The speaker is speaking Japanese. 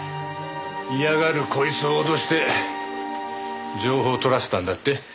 嫌がるこいつを脅して情報を取らせたんだって？